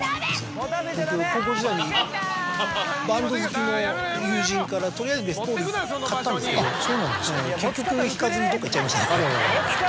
僕高校時代にバンド好きの友人から取りあえずレスポール買ったんですけど結局弾かずにどっかいっちゃいました。